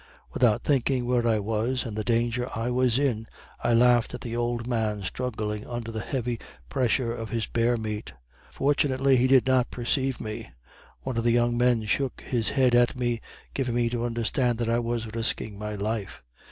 Without thinking where I was, and the danger I was in, I laughed at the old man struggling under the heavy pressure of his bear meat. Fortunately he did not perceive me; one of the young men shook his head at me, giving me to understand that I was risking my life.